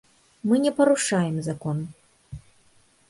Мы не парушаем закон.